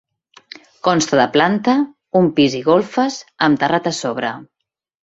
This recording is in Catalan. Consta de planta, un pis i golfes, amb terrat a sobre.